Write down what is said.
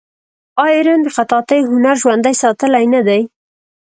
آیا ایران د خطاطۍ هنر ژوندی ساتلی نه دی؟